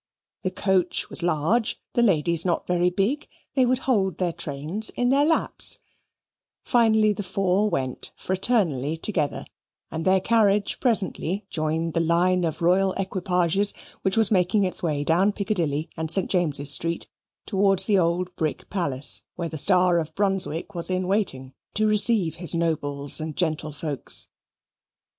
The coach was large, the ladies not very big, they would hold their trains in their laps finally, the four went fraternally together, and their carriage presently joined the line of royal equipages which was making its way down Piccadilly and St. James's Street, towards the old brick palace where the Star of Brunswick was in waiting to receive his nobles and gentlefolks.